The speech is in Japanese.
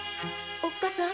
おっかさん！